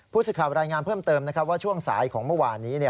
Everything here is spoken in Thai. สิทธิ์รายงานเพิ่มเติมว่าช่วงสายของเมื่อวานนี้